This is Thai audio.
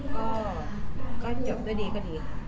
ก็ก็จบได้ดีก็ดี